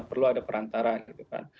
perlu ada perantara gitu kan